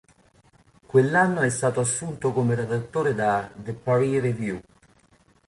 Quell'anno è stato assunto come redattore da "The Paris Review".